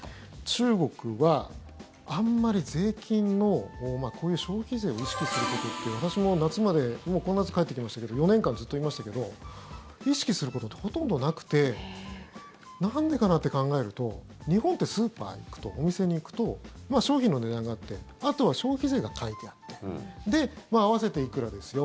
中国はあまり税金のこういう消費税を意識することは私も夏までこの夏帰ってきましたけど４年間ずっといましたけど意識することってほとんどなくてなんでかなって考えると日本ってスーパーに行くとお店に行くと商品の値段があってあとは消費税が書いてあって合わせていくらですよ